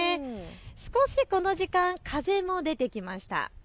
少しこの時間、風も出てきました。